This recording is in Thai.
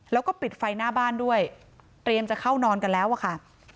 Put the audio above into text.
แล้วก็ปิดไฟหน้าบ้านด้วยเตรียมจะเข้านอนกันแล้วอะค่ะ